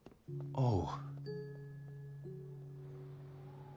ああ。